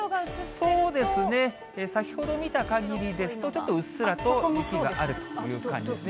そうですね、先ほど見たかぎりですと、ちょっとうっすらと雪があるという感じですね。